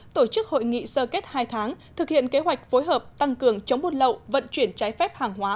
tổ chức hội nghị sơ kết hai tháng thực hiện kế hoạch phối hợp tăng cường chống buôn lậu vận chuyển trái phép hàng hóa